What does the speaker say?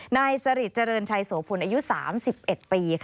นายสฤทธิ์เจริญชัยโสภุลายุ๓๑ปี